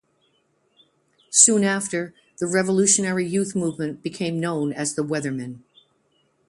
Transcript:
Soon after the Revolutionary Youth Movement became known as the Weatherman.